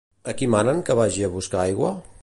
A qui manen que vagi a buscar aigua?